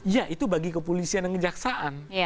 ya itu bagi kepolisian dan kejaksaan